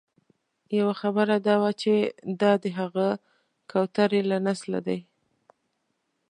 یوه خبره دا وه چې دا د هغه کوترې له نسله دي.